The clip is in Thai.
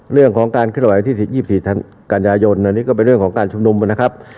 เรื่องของการขึ้นระวัยที่สิทธิ์๒๔กัญญาโยนอันนี้ก็เป็นเรื่องของการชุมนุมนะครับ